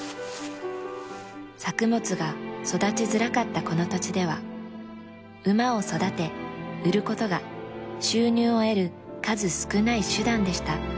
作物が育ちづらかったこの土地では馬を育て売る事が収入を得る数少ない手段でした。